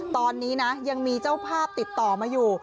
ตอนนี้นะยังมีเจ้าภาพติดต่อมาอยู่